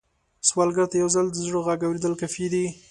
سوالګر ته یو ځل د زړه غږ اورېدل کافي دي